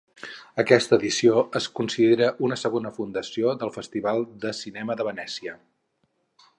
Aquesta edició es considera una segona fundació del Festival de Cinema de Venècia.